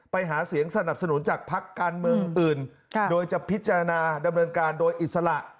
ไปหาเสียงสนับสนุนจากพักการเมืองอื่นโดยจะพิจารณาดำเนินการโดยอิสระ